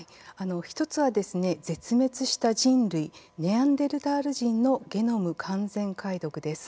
１つは、絶滅した人類ネアンデルタール人のゲノム完全解読です。